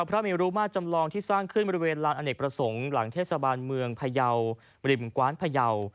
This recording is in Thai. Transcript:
พระเมรุมาจำลองที่สร้างขึ้นบริเวณลานอเนกประสงค์หลังเทศบาลเมืองพยาวริมกว้านพยาว